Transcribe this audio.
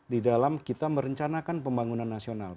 di dalam kita merencanakan pembangunan nasional